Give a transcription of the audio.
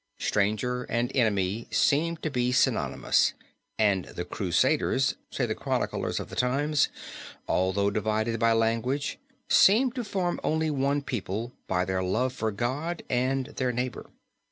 Stranger and enemy seemed to be synonymous, and 'the Crusaders,' say the chroniclers of the times, 'although divided by language, seemed to form only one people, by their love for God and their neighbor.'